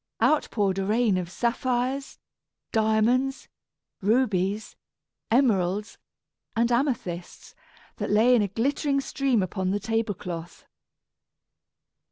out poured a rain of sapphires, diamonds, rubies, emeralds, and amethysts, that lay in a glittering stream upon the table cloth.